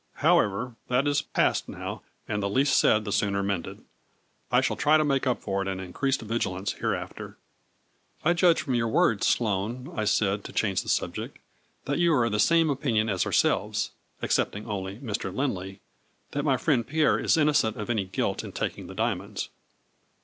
However, that is past now and the ' least said the sooner mended.' I shall try to make up for it in in creased vigilance hereafter." " I judge from your words, Sloane," I said, to change the subject " that you are of the same opinion as ourselves, (excepting only Mr. Lind* ley) that my friend Pierre is innocent of any guilt in taking the diamonds